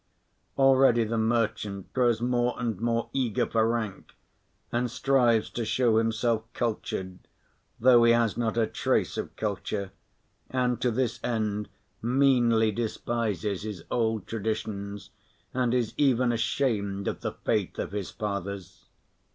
Already the merchant grows more and more eager for rank, and strives to show himself cultured though he has not a trace of culture, and to this end meanly despises his old traditions, and is even ashamed of the faith of his fathers.